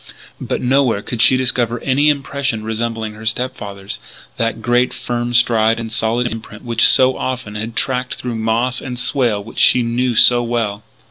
But nowhere could she discover any impression resembling her step father's, that great, firm stride and solid imprint which so often she had tracked through moss and swale and which she knew so well.